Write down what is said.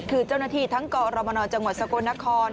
คือเจ้าหน้าที่ทั้งกรมนจังหวัดสกลนคร